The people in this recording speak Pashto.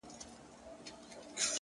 خداى دي كړي خير گراني څه سوي نه وي!!